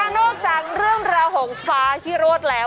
นอกจากเรื่องราวของฟ้าที่โรดแล้ว